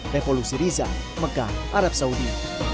revolusi riza mekah arab saudi